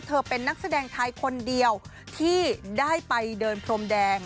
เป็นนักแสดงไทยคนเดียวที่ได้ไปเดินพรมแดง